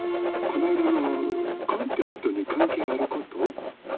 「こないだのコンテストに関係あること？」。